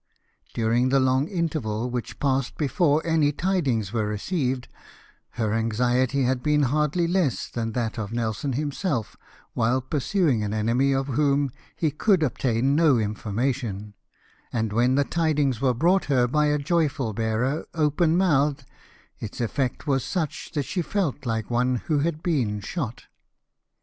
Durini^ the long interval which passed before any tidings were received, her anxiety had been hardl}^ less than that of Nelson himself while pursuing an enemy of whom he could obtain no information ; and when the tidings were brought her by a joyful bearer open mouthed, its effect Avas such that she felt like one who had been shot.